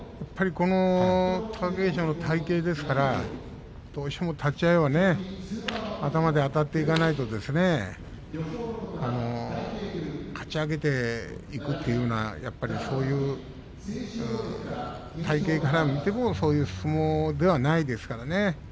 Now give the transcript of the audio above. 貴景勝の体形ですからどうしても立ち合いは頭であたっていかないとですねかち上げていくというような体形から見てもそういう相撲ではないですからね。